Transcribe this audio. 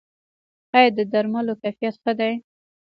آیا د درملو کیفیت ښه دی؟